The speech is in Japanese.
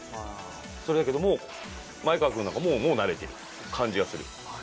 それだけど、前川君なんかもう慣れてる感じがする。